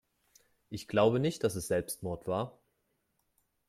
Ich glaube nicht, dass es Selbstmord war.